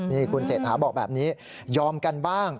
นี่คุณเศรษฐาบอกแบบนี้ยอมกันบ้าง